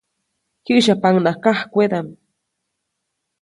Kyäsyapaʼuŋnaʼak kajkwedaʼm.